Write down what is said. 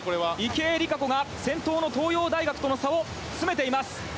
池江璃花子が先頭の東洋大学との差を詰めています。